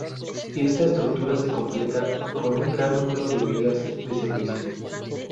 Está estructura se completa con un gran número de vías de servicio.